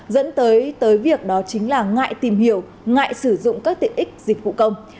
dẫn tới tới việc đó chính là ngại tìm hiểu ngại sử dụng các tiện ích dịch vụ công